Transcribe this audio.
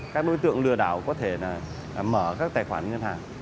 các đối tượng lừa đảo có thể mở các tài khoản ngân hàng